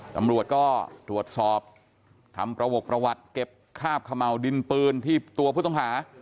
ตำรวจก็ตรวจสอบทำประกประวัติเก็บคราบเขม่าวดินปืนที่ตัวผู้ต้องหา